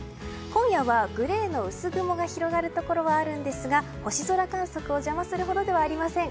今夜はグレーの薄雲が広がるところもあるんですが星空観測を邪魔するほどではありません。